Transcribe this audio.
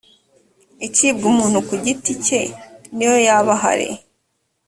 icibwa umuntu ku giti cye n’iyo yaba ahari